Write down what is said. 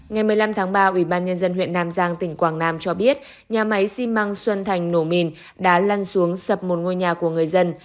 ngày một mươi năm tháng ba ủy ban nhân dân huyện nam giang tỉnh quảng nam cho biết nhà máy xi măng xuân thành nổ mìn đã lăn xuống sập một ngôi nhà của người dân